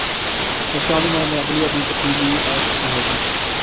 تو چند ماہ میں عدلیہ میں بھی تبدیلی آ چکی ہو گی۔